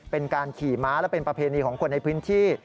เป็นการขี่ม้าและเป็นประเพณีของคนในพื้นที่